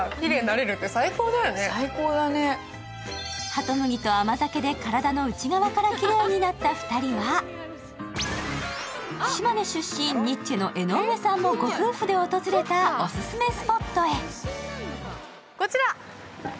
はと麦と甘酒で体の内側からきれいになった２人は島根出身、ニッチェの江上さんもご夫婦で訪れたオススメスポットへ。